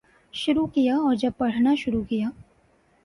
شروع کیا اور جب پڑھنا شروع کیا